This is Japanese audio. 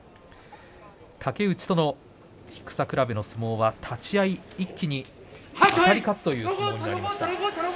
竹内との低さ比べの相撲は立ち合い一気にあたり勝つという相撲になりました。